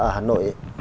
ở hà nội